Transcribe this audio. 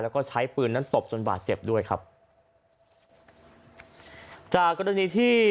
แล้วก็ใช้ปืนนั้นตบจนบาดเจ็บด้วยครับจากกรณีที่